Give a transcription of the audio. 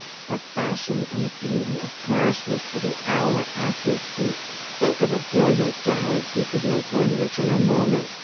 The fashion and beauty of Paris waa for the hour at his feet. Think of a brilliant gallant who could make one rich in a moment